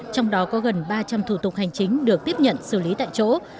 trong đó có gần ba trăm linh thủ tục hành chính được tiếp nhận xử lý tại chỗ